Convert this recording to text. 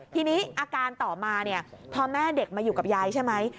ทีนี้อาการต่อมาเนี่ยพอแม่เด็กมาอยู่กับยายใช่ไหม